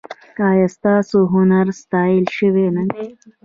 ایا ستاسو هنر ستایل شوی نه دی؟